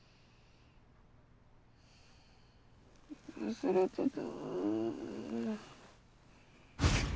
忘れてた。